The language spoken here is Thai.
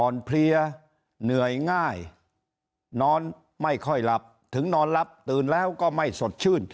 เพลียเหนื่อยง่ายนอนไม่ค่อยหลับถึงนอนหลับตื่นแล้วก็ไม่สดชื่น